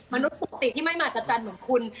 มนุษย์ปกติที่ไม่มาจัดจันเหมือนคุณ